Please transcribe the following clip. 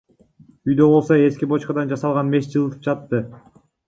Үйдү болсо эски бочкадан жасалган меш жылытып жатты.